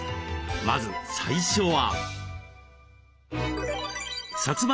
まず最初は。